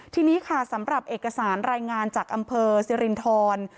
ทีนี้ค่ะสำหรับเอกสารรายงานจากอำเภอสิรินทร